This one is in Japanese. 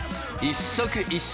一足